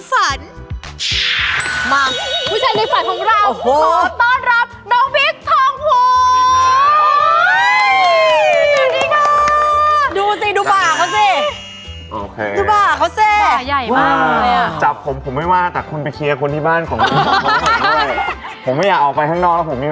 ผมไม่อยากเอาไปข้างนอกแล้วมีปัญหาตัวเลย